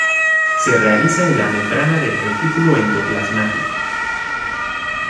Se realiza en la membrana del retículo endoplasmático.